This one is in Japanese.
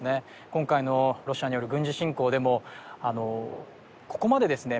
今回のロシアによる軍事侵攻でもここまでですね